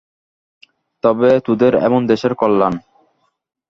তবে তোদের এবং দেশের কল্যাণ।